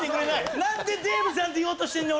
なんでデーブさんって言おうとしてんねん俺！